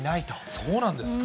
そうなんですか？